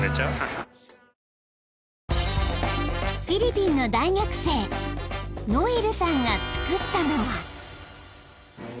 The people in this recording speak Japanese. ［フィリピンの大学生ノエルさんが作ったのは］